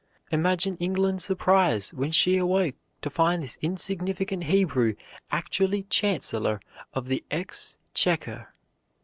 Imagine England's surprise when she awoke to find this insignificant Hebrew actually Chancellor of the Exchequer!